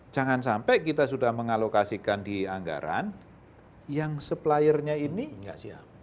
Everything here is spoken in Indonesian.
jangan sampai kita sudah mengalokasikan di anggaran yang suppliernya ini nggak siap